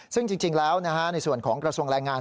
ซึ่งจริงแล้วในส่วนของกระทรวงแรงงาน